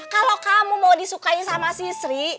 kalau kamu mau disukai sama si sri